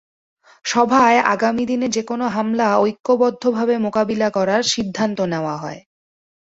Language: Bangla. সভায় আগামী দিনে যেকোনো হামলা ঐক্যবদ্ধভাবে মোকাবিলা করার সিদ্ধান্ত নেওয়া হয়।